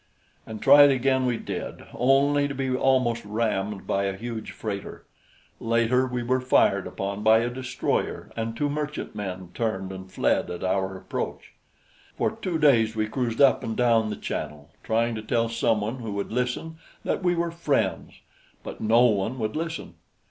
And try it again we did, only to be almost rammed by a huge freighter. Later we were fired upon by a destroyer, and two merchantmen turned and fled at our approach. For two days we cruised up and down the Channel trying to tell some one, who would listen, that we were friends; but no one would listen.